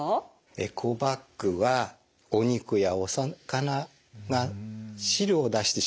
エコバッグはお肉やお魚が汁を出してしまうことがありますよね。